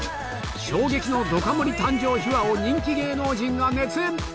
衝撃のどか盛り誕生秘話を人気芸能人が熱演！